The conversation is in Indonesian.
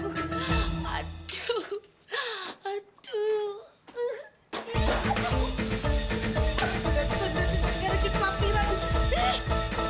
ia benar benar sedikit lapir rani